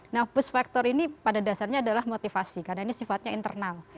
nah push factor ini pada dasarnya adalah motivasi karena ini sifatnya internal